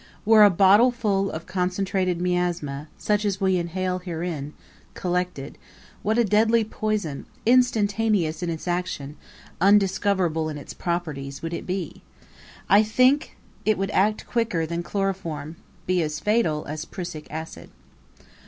Were a bottleful of concentrated miasma, such as we inhale herein, collected, what a deadly poison, instantaneous in its action, undiscoverable in its properties, would it be! I think it would act quicker than chloroform, be as fatal as prussic acid.